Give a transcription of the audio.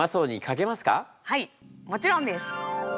はいもちろんです。